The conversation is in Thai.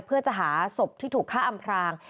เพื่อจะหาศพที่ถูกฆ่าอำพราง